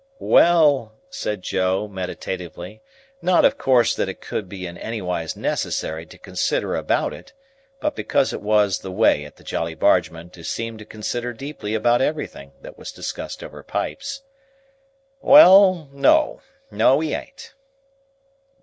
"Well," said Joe, meditatively, not, of course, that it could be in anywise necessary to consider about it, but because it was the way at the Jolly Bargemen to seem to consider deeply about everything that was discussed over pipes,—"well—no. No, he ain't."